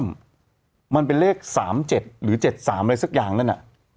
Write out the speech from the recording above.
มันเป็นเลข๓๗หรือ๗๓อะไรสักอย่างนั้น